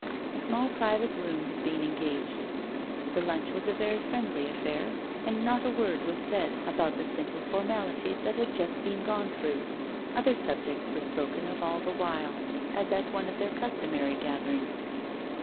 A small private room had been engaged; the lunch was a very friendly affair, and not a word was said about the simple formality that had just been gone through; other subjects were spoken of all the while, as at one of their customary gatherings.